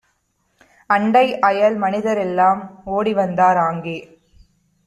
அண்டைஅயல் மனிதரெல்லாம் ஓடிவந்தார். ஆங்கே